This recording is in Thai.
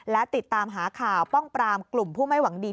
และติดตามหาข่าวป้องปรามกลุ่มผู้ไม่หวังดี